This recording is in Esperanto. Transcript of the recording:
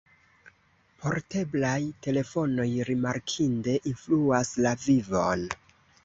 Porteblaj telefonoj rimarkinde influas la vivon.